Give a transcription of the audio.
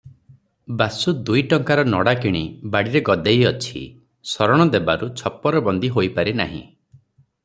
ବାସୁ ଦୁଇ ଟଙ୍କାର ନଡ଼ା କିଣି ବାଡ଼ିରେ ଗଦେଇଅଛି, ଶରଣ ଦେବାରୁ ଛପରବନ୍ଦି ହୋଇପାରି ନାହିଁ ।